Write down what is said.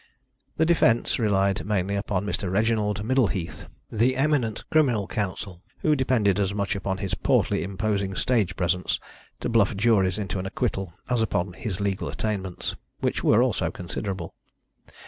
The defence relied mainly upon Mr. Reginald Middleheath, the eminent criminal counsel, who depended as much upon his portly imposing stage presence to bluff juries into an acquittal as upon his legal attainments, which were also considerable.